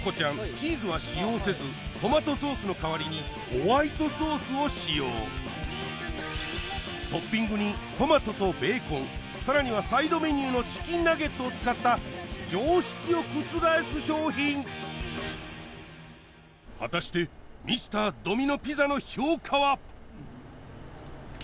チーズは使用せずトマトソースの代わりにホワイトソースを使用トッピングにトマトとベーコンさらにはサイドメニューのチキンナゲットを使った常識を覆す商品果たしてＭｒ．ドミノ・ピザの評価は？